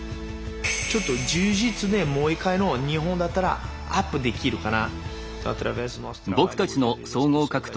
ちょっと柔術でもう一回日本だったらアップできるかな。